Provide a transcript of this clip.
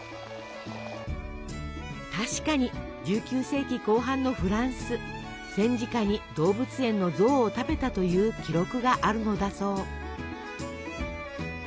確かに１９世紀後半のフランス戦時下に動物園の象を食べたという記録があるのだそう。